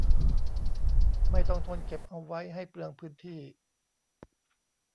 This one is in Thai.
ไม่ต้องทนเก็บเอาไว้ให้เปลืองพื้นที่